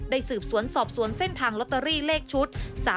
สืบสวนสอบสวนเส้นทางลอตเตอรี่เลขชุด๓๔